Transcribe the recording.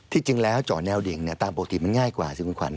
จริงแล้วเจาะแนวดิ่งตามปกติมันง่ายกว่าสิคุณขวัญ